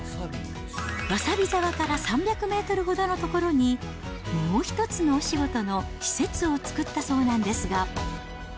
わさび沢から３００メートルほどの所に、もう一つのお仕事の施設を作ったそうなんですが。